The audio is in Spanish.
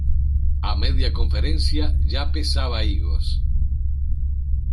A media conferencia ya pesaba higos.